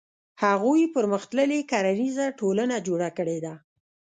هغوی پرمختللې کرنیزه ټولنه جوړه کړې ده.